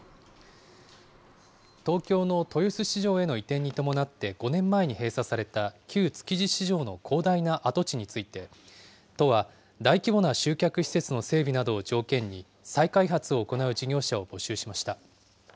東京の豊洲市場への移転に伴って５年前に閉鎖された旧築地市場の広大な跡地について、都は大規模な集客施設の整備などを条件に再開発を行う事業者を募集しました。